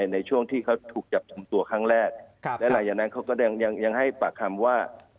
ในช่วงที่เขาถูกจับกลุ่มตัวครั้งแรกและหลังจากนั้นเขาก็ยังให้ปากคำว่า